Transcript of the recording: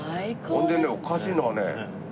ほんでねおかしいのがね